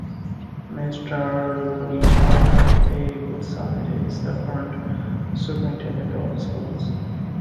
Mr. Leonard A. Woodside is the current superintendent of schools.